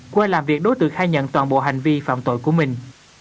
qua làm việc đối tượng khai nhận toàn bộ hành vi phạm tội của mình